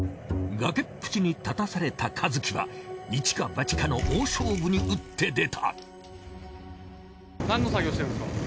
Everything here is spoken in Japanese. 崖っぷちに立たされた和喜は一か八かの大勝負に打って出た。